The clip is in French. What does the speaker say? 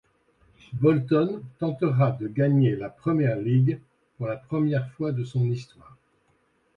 Bolton tentera de gagner la Premier League pour la première fois de son histoire.